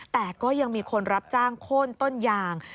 แต่ก็ยังมีคนรับจ้างโค้นต้นยาง